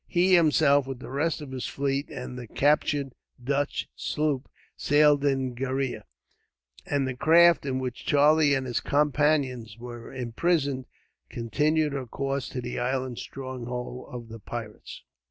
He himself, with the rest of his fleet, and the captured Dutch sloop, sailed into Gheriah; and the craft, in which Charlie and his companions were imprisoned, continued her course to the island stronghold of the pirates.